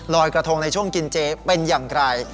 รอยกระทงในช่วงกินเจเป็นอย่างไร